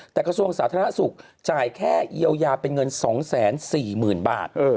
แต่กระทรวงสาธารณสุขจ่ายแค่เยียวยาเป็นเงิน๒๔๐๐๐บาท